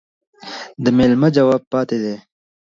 د ميلمه جواب پاتى دى.